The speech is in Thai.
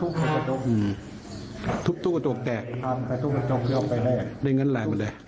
ครับคิดว่าคนนี้คิดก็เห็นที่เป็นคนในพื้นที่หรือเปล่า